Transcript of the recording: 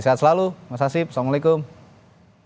sehat selalu mas hasim assalamualaikum